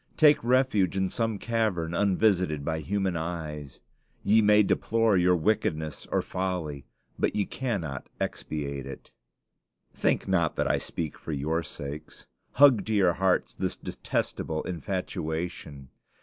Take refuge in some cavern unvisited by human eyes. Ye may deplore your wickedness or folly, but ye cannot expiate it. Think not that I speak for your sakes. Hug to your hearts this detestable infatuation.